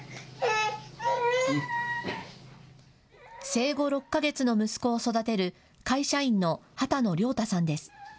生後６か月の息子を育てる会社員の羽田野良太さんです。